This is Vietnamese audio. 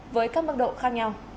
với các mức độ khác nhau